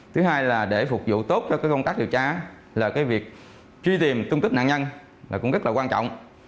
thứ hai là để phục vụ tốt cho cái công tác điều tra là cái việc truy tìm tung tích nạn nhân là cũng rất là quan trọng